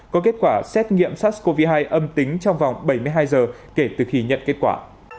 có kết quả xét nghiệm sars cov hai âm tính trong vòng bảy mươi hai giờ kể từ khi nhận kết quả